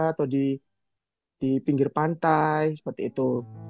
atau di pinggir pantai seperti itu